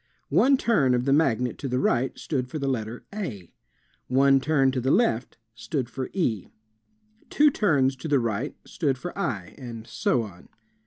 One turn of the magnet to the right stood for the letter a. One turn to the left stood for e. Two turns to the right stood for iy and so on.